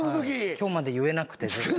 今日まで言えなくてずっと。